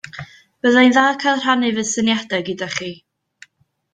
Byddai'n dda cael rhannu fy syniadau gyda chi.